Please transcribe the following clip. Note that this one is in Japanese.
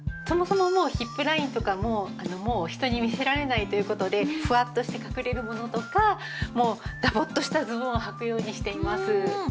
そもそもヒップラインとかももう人に見せられないという事でフワッとして隠れるものとかダボッとしたズボンをはくようにしています。